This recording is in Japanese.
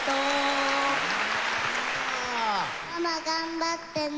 ママ頑張ってね。